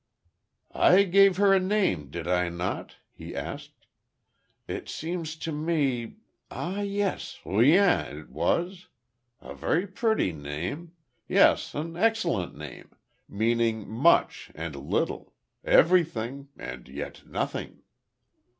"I gave her a name, did I not?" he asked. "It seems to me ah, yes. Rien, it was. A very pretty name yes, an excellent name meaning much and little everything, and yet nothing."